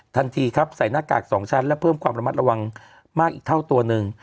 ทันทีครับใส่หน้ากาก๒ชั้นและเพิ่มความระมัดระวังมากอีกเท่าตัวหนึ่ง